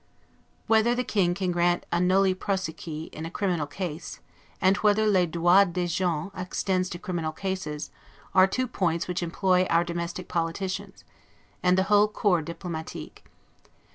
Whether the King can grant a 'noli prosequi' in a criminal case, and whether 'le droit des gens' extends to criminal cases, are two points which employ our domestic politicians, and the whole Corps Diplomatique.